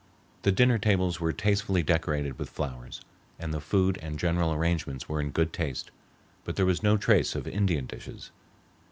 The dinner tables were tastefully decorated with flowers, and the food and general arrangements were in good taste, but there was no trace of Indian dishes.